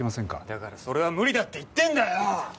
だからそれは無理だって言ってんだよ！